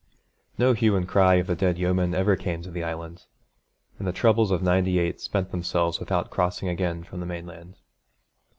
No hue and cry after the dead yeomen ever came to the Island, and the troubles of '98 spent themselves without crossing again from the mainland.